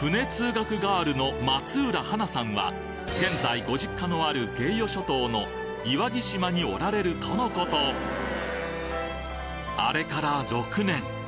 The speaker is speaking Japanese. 船通学ガールの松浦華さんは現在ご実家のある芸予諸島の岩城島におられるとの事あれから６年。